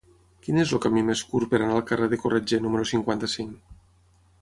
Quin és el camí més curt per anar al carrer de Corretger número cinquanta-cinc?